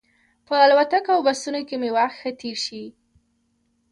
په الوتکو او بسونو کې مې وخت ښه تېر شي.